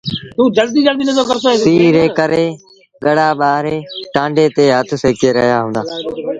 سيٚ ري ڪري ڳڙآ ٻآري ٽآنڊي تي هٿ سيڪي رهيآ هُݩدآ۔